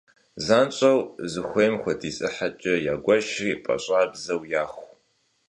Занщӏэу зыхуейм хуэдиз ӏыхьэкӏэ ягуэшри пӏащӏабзэу яху.